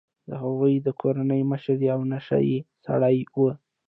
د هغوی د کورنۍ مشر یو نشه يي سړی و.